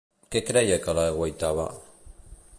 Què creia que l'aguaitava?